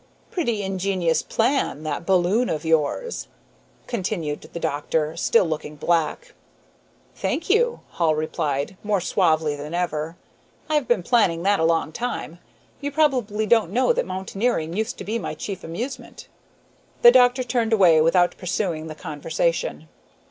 "Pretty ingenious plan, that balloon of yours," continued the doctor, still looking black. "Thank you," Hall replied, more suavely than ever. "I've been planning that a long time. You probably don't know that mountaineering used to be my chief amusement." The doctor turned away without pursuing the conversation.